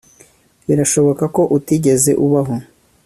birashoboka ko utigeze ubaho